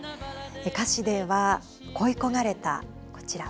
歌詞では恋い焦がれたこちら。